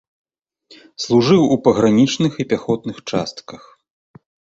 Служыў у пагранічных і пяхотных частках.